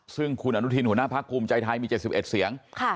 ซึ่งคุณอนุทินหัวหน้าภาคคุมใจไทยมีเจ็ดสิบเอ็ดเสียง